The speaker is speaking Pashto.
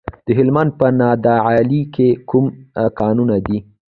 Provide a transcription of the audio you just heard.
د هلمند په نادعلي کې کوم کانونه دي؟